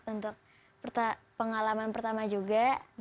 untuk pengalaman pertama juga